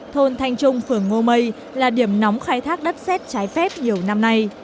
thôn thanh trung phường ngô mây là điểm nóng khai thác đất xét trái phép nhiều năm nay